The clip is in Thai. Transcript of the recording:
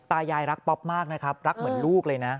ตายายรักป๊อปมากนะครับรักเหมือนลูกเลยนะ